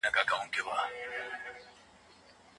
قوت باید یوازې د عدالت لپاره وي.